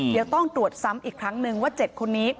เดี๋ยวต้องตรวจซ้ำอีกครั้งนึงว่า๗คนนี้